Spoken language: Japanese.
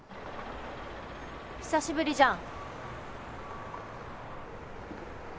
久しぶりじゃん。